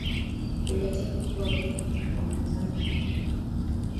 Ulete kuku wawili, wa manjano na kijani,